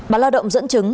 báo lao động dẫn chứng